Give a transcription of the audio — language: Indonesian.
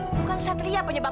ma bukan satria penyebab beban